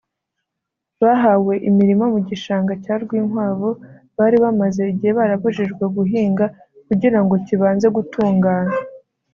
bahawe imirima mu gishanga cya Rwinkwavu bari bamaze igihe barabujijwe guhinga kugira ngo kibanze gutunganywa